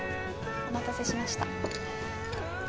お待たせしました。